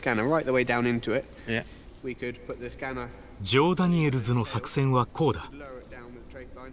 ジョー・ダニエルズの作戦はこうだ。